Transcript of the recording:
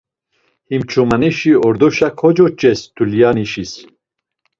Him ç̌umanişi ordoşa kocoç̌es dulyanişis.